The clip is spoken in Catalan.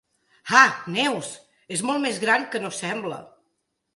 Ah, Neus! És molt més gran que no sembla.